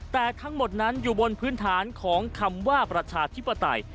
แต่ทั้งหมดนั้นอยู่บนพื้นฐานของคำว่าประชาธิปไตย